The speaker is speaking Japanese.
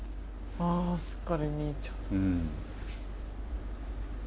あすっかり見入っちゃった。